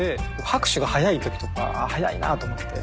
拍手が早いときとかあっ早いなと思って。